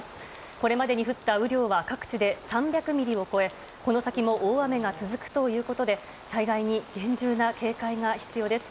これまでに降った雨量は各地で３００ミリを超えこの先も大雨が続くということで災害に厳重な警戒が必要です。